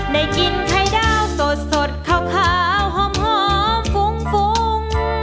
ได้กินไข่ดาวสดสดขาวขาวหอมหอมฟุ้งฟุ้ง